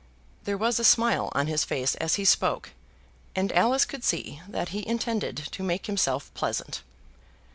There was a smile on his face as he spoke, and Alice could see that he intended to make himself pleasant.